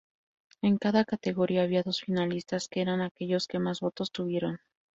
En cada categoría había dos finalistas que eran aquellos que más votos tuvieron.